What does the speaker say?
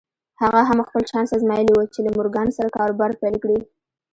هغه هم خپل چانس ازمايلی و چې له مورګان سره کاروبار پيل کړي.